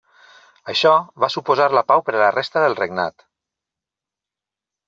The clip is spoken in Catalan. Això va suposar la pau per la resta del regnat.